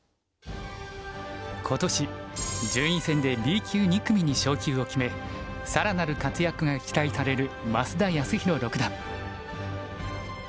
今年順位戦でＢ級２組に昇級を決め更なる活躍が期待される増田康宏六段。